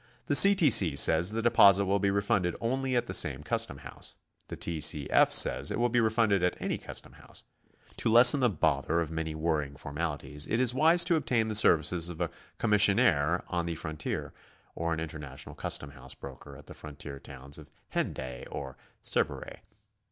The C. T. C. says the deposit will be refunded only at the same custom house; the T. C. F. says it will be refunded at any custom house. To lessen the bother of the many worrying formalities, it is wise to obtain the services of a commissionaire on the frontier, or an international custom house broker at the frontier towns of Hendaye or Cerbere.